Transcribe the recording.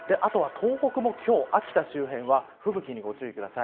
東北も今日は、秋田周辺は吹雪にご注意ください。